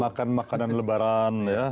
makan makanan lebaran ya